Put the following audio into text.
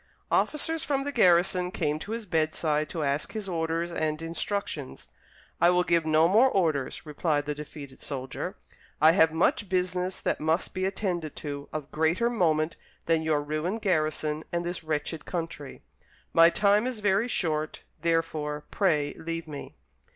Officers from the garrison came to his bedside to ask his orders and instructions. "I will give no more orders," replied the defeated soldier; "I have much business that must be attended to, of greater moment than your ruined garrison and this wretched country. My time is very short, therefore, pray leave me."